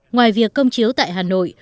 ngoài việc công chiếu tại hà nội